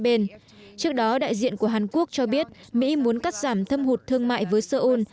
trước đó đại diện của hàn quốc cho biết mỹ muốn cắt giảm thâm hụt thương mại với seoul